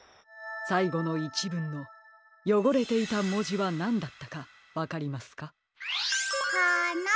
さいごのいちぶんのよごれていたもじはなんだったかわかりますか？